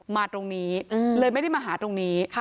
มาตรงนี้เลยไม่ได้มาหาตรงนี้